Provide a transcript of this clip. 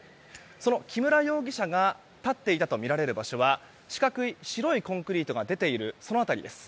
その木村容疑者が立っていたとみられる場所は四角い白いコンクリートが出ている辺りです。